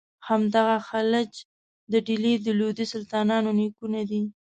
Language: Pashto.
همدغه خلج د ډهلي د لودي سلطانانو نیکونه دي.